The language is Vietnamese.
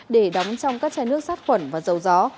để đóng trong các chai nước sát khuẩn và dầu gió